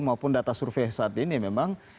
maupun data survei saat ini memang